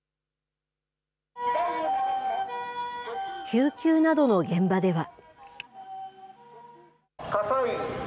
救急などの現場では。